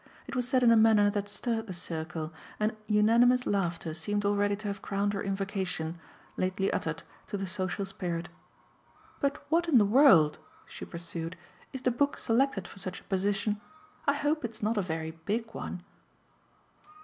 It was said in a manner that stirred the circle, and unanimous laughter seemed already to have crowned her invocation, lately uttered, to the social spirit. "But what in the world," she pursued, "is the book selected for such a position? I hope it's not a very big one."